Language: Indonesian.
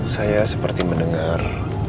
saya seperti mendengar